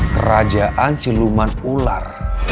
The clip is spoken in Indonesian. kerajaan siluman ular